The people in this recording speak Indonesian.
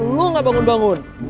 lo gak bangun bangun